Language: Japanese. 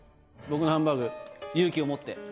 僕のハンバーグ勇気を持って。